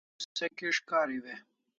Waresho se kis'kariu e?